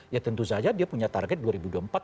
ya tentu saja dia punya target dua ribu dua puluh empat